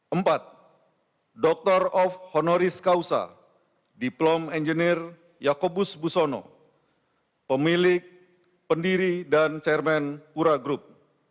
empat dr of honoris causa diplom engineer yaakobus busono pemilik pendiri dan chairman pura group